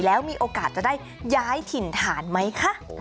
แล้วมีโอกาสจะได้ย้ายถิ่นฐานไหมคะ